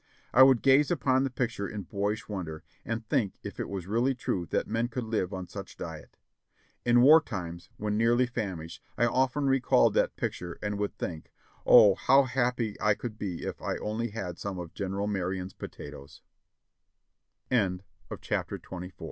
I would gaze upon the picture in boyish wonder, and think if it was really true that men could live on such diet? In war times, when nearly famished, I often recalled that pic ture, and would think, "O, how happy I could be if I only had some of General Marion'